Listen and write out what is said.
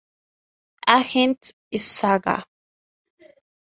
Agents" y "Saga.